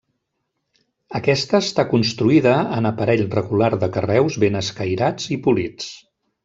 Aquesta està construïda en aparell regular de carreus ben escairats i polits.